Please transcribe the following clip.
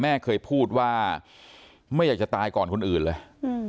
แม่เคยพูดว่าไม่อยากจะตายก่อนคนอื่นเลย